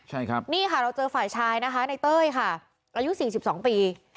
ใช่ครับนี่ค่ะเราเจอฝ่ายชายนะคะในเต้ยค่ะอายุ๔๒ปี